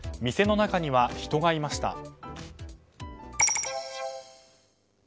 店の中には人がいました。